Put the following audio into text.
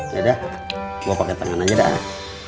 ya udah gue pake tangan aja dah